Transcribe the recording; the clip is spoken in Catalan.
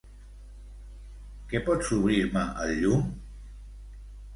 Que pots obrir-me el llum?